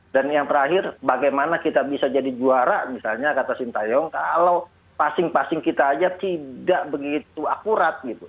dan yang terakhir bagaimana kita bisa jadi juara misalnya kata sintayong kalau passing passing kita aja tidak begitu akurat gitu